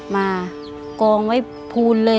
มากองไว้ภูนเลย